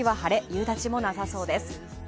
夕立もなさそうです。